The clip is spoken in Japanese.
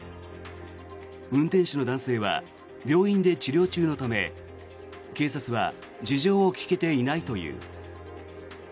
運転手の男性は病院で治療中のため警察は事情を聴けていないという。